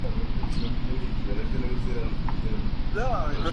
El extremo del labelo con forma trapezoidal es muy ancho.